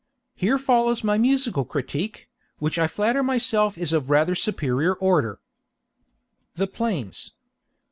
Here follows my musical critique, which I flatter myself is of rather superior order: THE PLAINS.